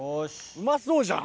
うまそうじゃん！